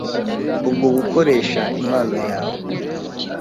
ubwo gukoresha impano yawe.